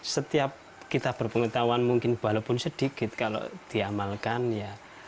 setiap kita berpengetahuan mungkin walaupun sedikit kalau diamalkan ya